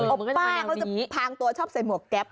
ป้าเขาจะพางตัวชอบใส่หมวกแก๊ป